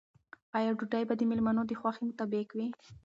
آیا ډوډۍ به د مېلمنو د خوښې مطابق وي؟